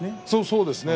そうですね。